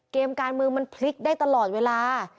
เกมการเมืองมันพลิกได้ตลอดเวลา